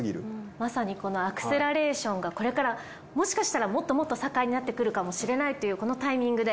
まさにこのアクセラレーションがこれからもしかしたらもっともっと盛んになってくるかもしれないというこのタイミングで。